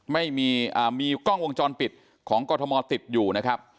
ไม่มีมีกล้องวงจรปิดของกรทมติดอยู่นะครับ